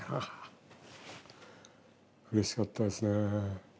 うれしかったですねぇ。